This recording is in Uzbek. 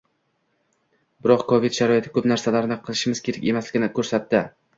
Biroq Covid sharoiti koʻp narsalarni qilishimiz kerak emasligini koʻrsatdi.